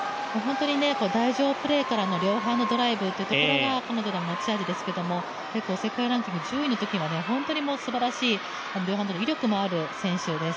台上プレーからの両ハンドドライブというのが彼女の持ち味ですけれども、世界ランキング１０位のときは本当に両ハンドの威力もある選手です。